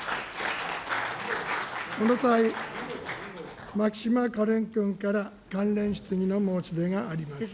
この際、牧島かれん君から関連質疑の申し出があります。